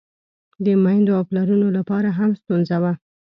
د میندو او پلرونو له پاره هم ستونزه وه.